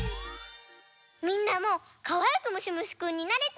みんなもかわいくむしむしくんになれた？